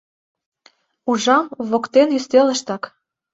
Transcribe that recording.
Ужам: воктен ӱстелыштак